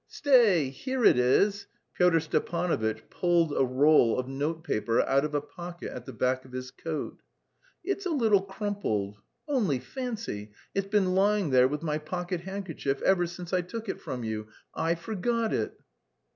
"Stay, here it is!" Pyotr Stepanovitch pulled a roll of note paper out of a pocket at the back of his coat. "It's a little crumpled. Only fancy, it's been lying there with my pocket handkerchief ever since I took it from you; I forgot it."